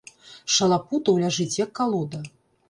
Шалапутаў ляжыць, як калода.